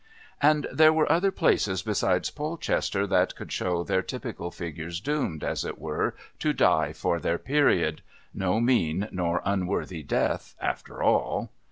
And there were other places beside Polchester that could show their typical figures doomed, as it were, to die for their Period no mean nor unworthy death after all.